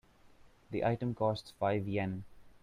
The item costs five Yen.